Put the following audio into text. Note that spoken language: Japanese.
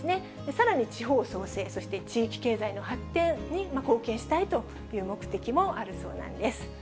さらに地方創生、そして地域経済の発展に貢献したいという目的もあるそうなんです。